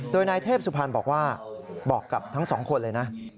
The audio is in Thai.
โดยนายเทพสุพรรณบอกว่าบอกกับทั้งสองคนเลยนะ